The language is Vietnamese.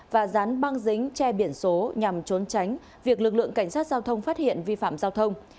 và dán băng dính che biển số nhằm trốn tránh việc lực lượng cảnh sát giao thông phát hiện vi phạm giao thông